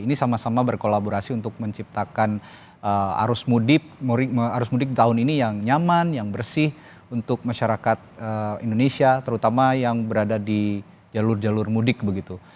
ini sama sama berkolaborasi untuk menciptakan arus mudik tahun ini yang nyaman yang bersih untuk masyarakat indonesia terutama yang berada di jalur jalur mudik begitu